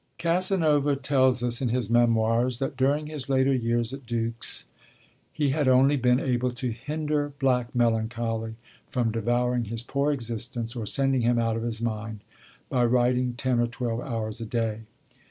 IV Casanova tells us in his Memoirs that, during his later years at Dux, he had only been able to 'hinder black melancholy from devouring his poor existence, or sending him out of his mind,' by writing ten or twelve hours a day.